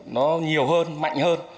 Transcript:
nó nhiều hơn mạnh hơn